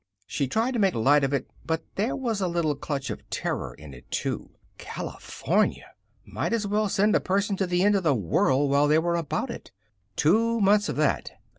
She tried to make light of it, but there was a little clutch of terror in it, too. California! Might as well send a person to the end of the world while they were about it. Two months of that.